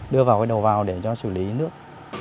đưa vào cái đầu vào để cho xử lý nước